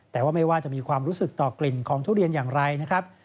แต่ว่าไม่ว่าจะมีความรู้สึกต่อกลิ่นของทุเรียนอย่างไรนะครับ